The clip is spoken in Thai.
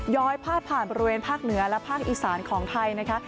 ้อยพาดผ่านบริเวณภาคเหนือและภาคอีสานของไทยนะคะ